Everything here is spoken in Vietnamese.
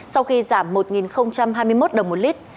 sau khi giảm một hai mươi một đồng một lít